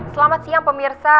selamat siang pemirsa